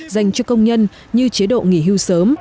dành cho công nhân như chế độ nghỉ hưu sớm